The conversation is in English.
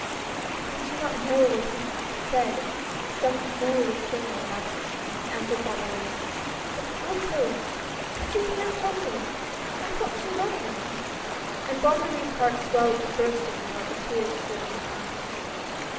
" I do not know what he said some foolish thing or another," answered Bonne Marie, " But Clotilde ! Did you hear Clotilde? I thought she loved me!" and Bonne Marie's heart swelled to bursting while the tears stood in her eyes.